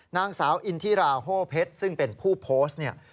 นางสาวอินทิราโฮเพชรซึ่งเป็นผู้โพสต์เนี่ย